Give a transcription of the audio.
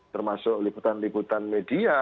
termasuk liputan liputan media